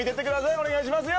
お願いしますよ。